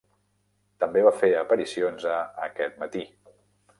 També va fer aparicions a "Aquest matí".